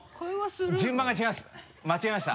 順番が違います